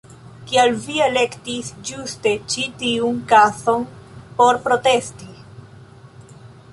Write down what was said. Kial vi elektis ĝuste ĉi tiun kazon por protesti?